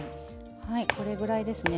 これぐらいですね。